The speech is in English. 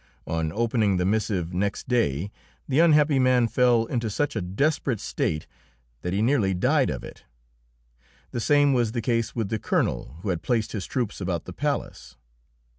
On opening the missive next day the unhappy man fell into such a desperate state that he nearly died of it. The same was the case with the Colonel who had placed his troops about the palace.